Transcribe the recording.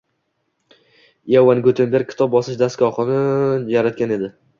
Iogan Gutenberg kitob bosib chiqarish dastgohini yaratgan edi.